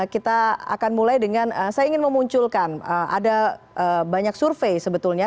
kita akan mulai dengan saya ingin memunculkan ada banyak survei sebetulnya